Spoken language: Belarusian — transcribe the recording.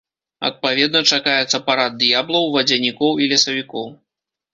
Адпаведна чакаецца парад д'яблаў, вадзянікоў і лесавікоў.